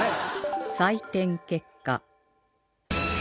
採点結果